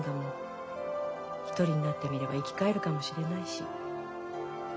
一人になってみれば生き返るかもしれないし。